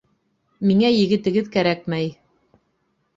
Миңә егетегеҙ кәрәкмәй.